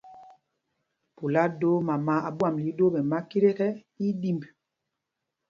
Pula doo mama a ɓwam lil ɗwoo ɓɛ makit ekɛ, í í ɗimb.